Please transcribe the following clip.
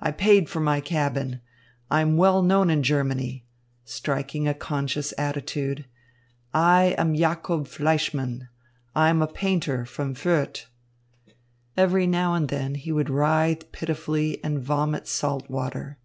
I paid for my cabin. I am well known in Germany" striking a conscious attitude "I am Jacob Fleischmann. I am a painter, from Fürth." Every now and then he would writhe pitifully and vomit salt water.